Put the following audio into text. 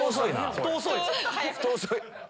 太遅い。